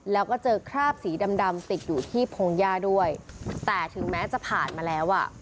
แล้วก็เจอคราบสีดำดำติดอยู่ที่พงหญ้าด้วยแต่ถึงแม้จะผ่านมาแล้วอ่ะ